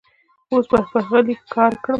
اوس به هغه لیک ښکاره کړم.